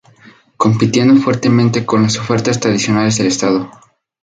Compitiendo fuertemente con las ofertas tradicionales del Estado.